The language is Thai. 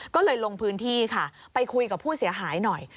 ก็เลยลงพื้นที่ค่ะไปคุยกับผู้เสียหายหน่อย